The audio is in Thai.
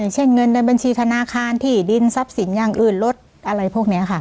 เช่นเงินในบัญชีธนาคารที่ดินทรัพย์สินอย่างอื่นรถอะไรพวกนี้ค่ะ